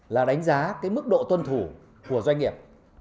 là đánh giá cái mức độ tuân thủ của doanh nghiệp